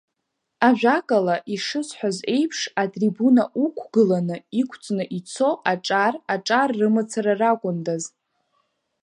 Ажәакала, ишысҳәаз еиԥш, атрибуна уқәгыланы, иқәҵны ицо аҿар аҿар рымацара ракәындаз!